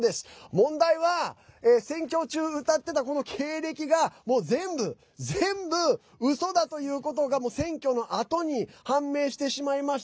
問題は選挙中うたっていたこの経歴が全部、全部うそだということが選挙のあとに判明してしまいました。